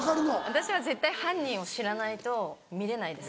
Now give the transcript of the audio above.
私は絶対犯人を知らないと見れないです。